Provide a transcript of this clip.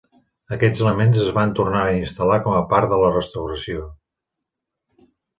Aquests elements es van tornar a instal·lar com a part de la restauració.